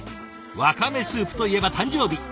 わかめスープといえば誕生日。